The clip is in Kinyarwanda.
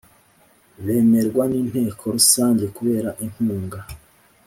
bemerwa n Inteko Rusange kubera inkunga